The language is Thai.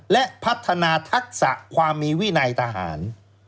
และพัฒนาทักษะความมีวินัยทหาร